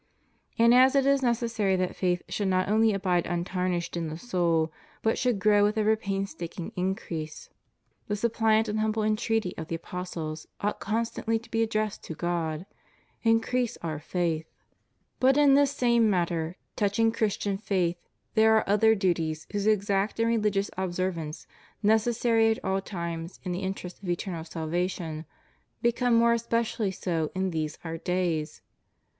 And as it is necessary that faith should not only abide untarnished in the soul, but should grow vNdth ever painstaking increase, 188 CHIEF DUTIES OF CHRISTIANS AS CITIZENS. the suppliant and humble entreaty of the apostles ought constantly to be addressed to God : Increase our faith} But in this same matter, touching Christian faith, there are other duties whose exact and religious observ ance, necessary at all times in the interests of eternal salvation, become more especially so in these our days.